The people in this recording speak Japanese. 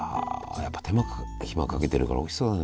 やっぱり手間暇かけてるからおいしそうだね。